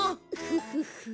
フフフ。